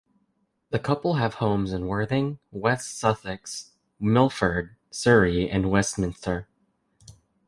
The couple have homes in Worthing, West Sussex, Milford, Surrey and Westminster.